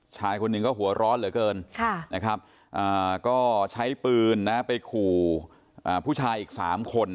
ชายคนนึงก็หัวร้อนเหลือเกินใช้ปืนไปขู่ผู้ชายอีก๓คน